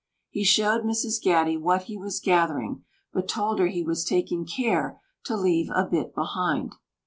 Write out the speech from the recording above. He showed Mrs. Gatty what he was gathering, but told her he was taking care to leave a bit behind.